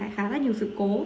khá là nhiều sự cố